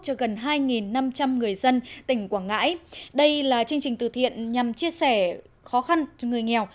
cho gần hai năm trăm linh người dân tỉnh quảng ngãi đây là chương trình từ thiện nhằm chia sẻ khó khăn cho người nghèo